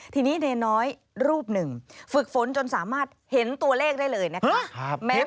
ทีนี้เนน้อยรูปหนึ่งฝึกฝนจนสามารถเห็นตัวเลขได้เลยนะคะ